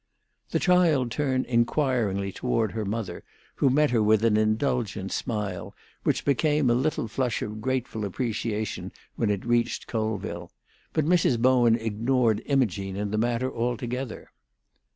The child turned inquiringly toward her mother, who met her with an indulgent smile, which became a little flush of grateful appreciation when it reached Colville; but Mrs. Bowen ignored Imogene in the matter altogether.